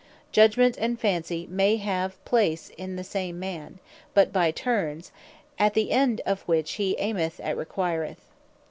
Judgment, and Fancy may have place in the same man; but by turnes; as the end which he aimeth at requireth.